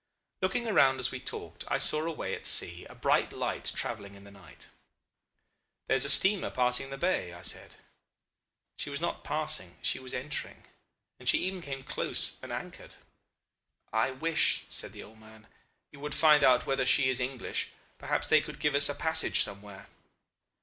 "Looking around as we talked, I saw away at sea a bright light travelling in the night. 'There's a steamer passing the bay,' I said. She was not passing, she was entering, and she even came close and anchored. 'I wish,' said the old man, 'you would find out whether she is English. Perhaps they could give us a passage somewhere.